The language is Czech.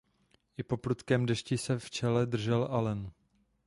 I po prudkém dešti se v čele držel Alen.